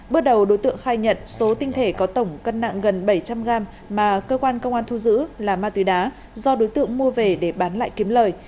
bước đầu đối tượng khai nhận số tinh thể có tổng cân nặng gần bảy trăm linh gram mà cơ quan công an thu giữ là ma túy đá do đối tượng mua về để bán lại kiếm lời